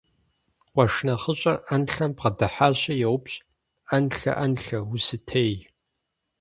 Къуэш нэхъыщӀэр Ӏэнлъэм бгъэдыхьащи йоупщӀ: – Ӏэнлъэ, Ӏэнлъэ, усытей?